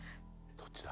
どっちだ？